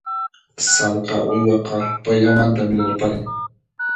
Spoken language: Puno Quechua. Sallqa uywaqa payllamanta mirarparin.